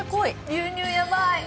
牛乳やばい！